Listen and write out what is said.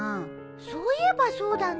そういえばそうだね。